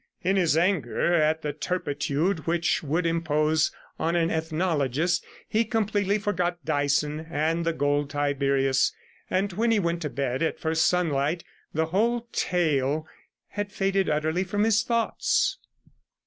In his anger at the turpitude which would impose on an ethnologist, he completely forgot Dyson and the gold Tiberius; and when he went to bed at first sunlight, the whole tale had faded utterly from his thoughts.